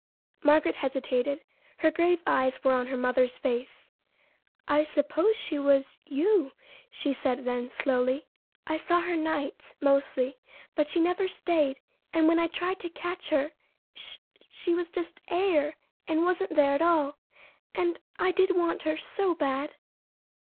Margaret hesitated. Her grave eyes were on her mother's face. "I suppose she was you," she said then slowly. "I saw her nights, mostly; but she never stayed, and when I tried to catch her, she she was just air and wasn't there at all. And I did want her so bad!"